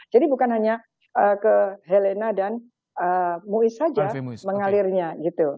jadi bukan hanya ke helena dan muis saja mengalirnya gitu